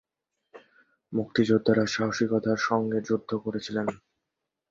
মুক্তিযোদ্ধারা সাহসিকতার সঙ্গে যুদ্ধ করছিলেন।